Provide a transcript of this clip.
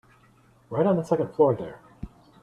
Right on the second floor there.